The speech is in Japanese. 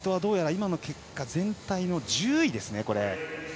日本の齋藤は今の結果全体の１０位ですね。